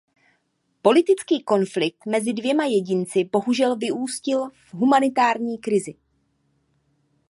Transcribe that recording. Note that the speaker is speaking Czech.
Politický konflikt mezi dvěma jedinci bohužel vyústil v humanitární krizi.